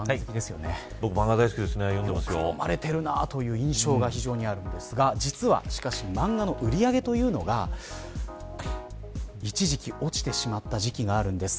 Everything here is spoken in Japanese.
よく読まれているなという印象があるんですが実は漫画の売り上げというのが一時期、落ちてしまった時期があるんです。